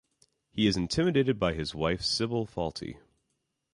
He is intimidated by his wife Sybil Fawlty.